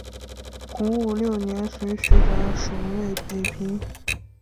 洪武六年随徐达守卫北平。